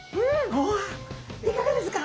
うわいかがですか？